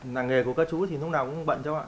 làng nghề của các chú thì lúc nào cũng bận cháu ạ